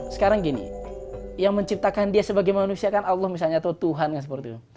sekarang gini yang menciptakan dia sebagai manusia kan allah misalnya atau tuhan kan seperti itu